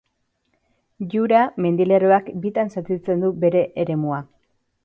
Jura mendilerroak bitan zatitzen du bere eremua.